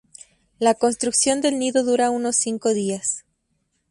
La construcción del nido dura unos cinco días.